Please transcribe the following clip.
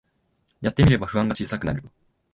やってみれば不安が小さくなる